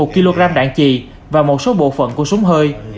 một kg đạn trì và một số bộ phận của súng hơi